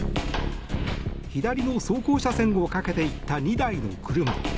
左の走行車線を駆けていった２台の車。